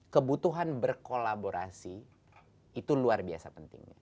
kebutuhan berkolaborasi itu luar biasa pentingnya